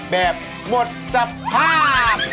แบบหมดสภาพ